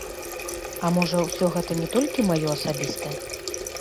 А можа ўсё гэта не толькі маё асабістае?